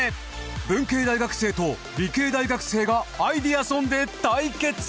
文系大学生と理系大学生がアイデアソンで対決！